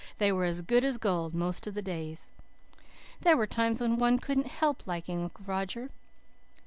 "They were as good as gold most of the days." There were times when one couldn't help liking Uncle Roger.